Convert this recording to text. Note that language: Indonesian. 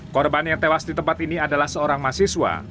korban yang tewas di tempat ini adalah seorang mahasiswa